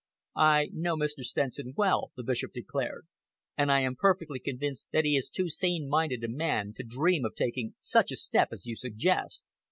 "I know Mr. Stenson well," the Bishop declared, "and I am perfectly convinced that he is too sane minded a man to dream of taking such a step as you suggest.